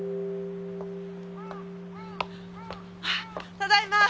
ただいま。